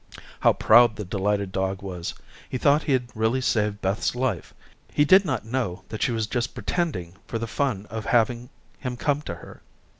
How proud the delighted dog was. He thought he had really saved Beth's life. He did not know that she was just pretending for the fun of having him come to her.